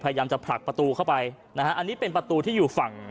พยายามจะผลักประตูเข้าไปนะฮะอันนี้เป็นประตูที่อยู่ฝั่ง